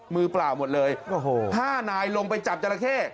มือเปล่าหมดเลย๕นายลงไปจับจราเข้